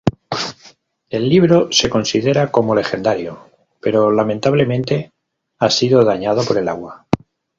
El libro se considera como legendario, pero lamentablemente ha sido dañado por el agua.